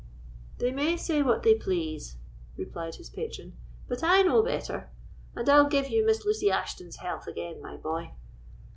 "They may say what they please," replied his patron, "but I know better; and I'll give you Miss Lucy Ashton's health again, my boy."